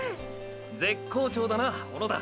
絶好調だな小野田！